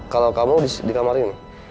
kalau kamu di kamar ini